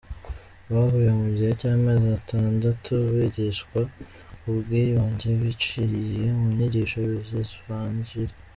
Bahuye mu gihe cy’amezi atandatu, bigishwa ku bwiyunge biciye mu nyigisho z’ivanjiri.